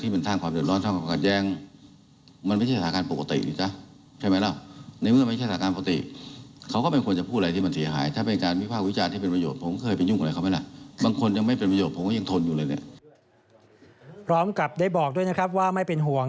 พร้อมกับได้บอกด้วยนะครับว่าไม่เป็นห่วง